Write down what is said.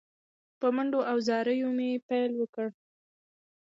په منډو او زاریو مې پیل وکړ.